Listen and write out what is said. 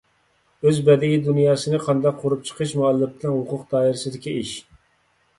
ئۆز بەدىئىي دۇنياسىنى قانداق قۇرۇپ چىقىش مۇئەللىپنىڭ ھوقۇق دائىرىسىدىكى ئىش.